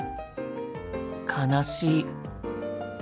悲しい。